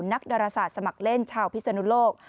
นักดาราศาสตร์สมัครเล่นชาวพิศนุโลก